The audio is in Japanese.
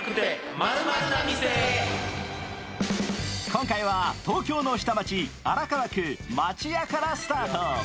今回は東京の下町、荒川区町屋からスタート。